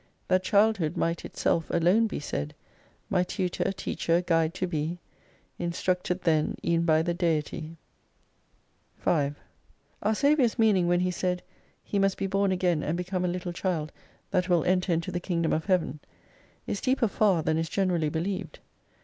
That childhood might itself alone be said My Tutor, Teacher, Guide to be, Instructed then even by the Deitie. i6o 5 Our Saviour's meaning, when He said, He must be born again and become a little child that will enter into the Kingdom of Heaven is deeper far than is generally believed.